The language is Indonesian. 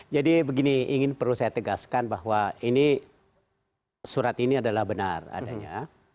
jadi begini perlu saya tegaskan bahwa ini surat ini adalah benar adanya